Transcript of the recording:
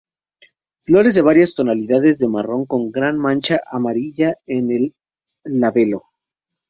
Flores de varias tonalidades de marrón con gran mancha amarilla en el labelo.